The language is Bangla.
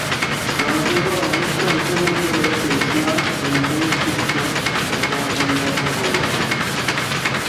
জনসংখ্যার অবশিষ্ট অংশের মধ্যে রয়েছে ইসলাম, হিন্দু, খ্রিস্ট এবং অন্যান্য ধর্মাবলম্বী।